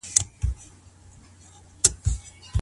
د بيلېدو بدي پايلي څه دي؟